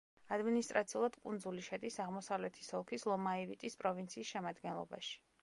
ადმინისტრაციულად კუნძული შედის აღმოსავლეთის ოლქის ლომაივიტის პროვინციის შემადგენლობაში.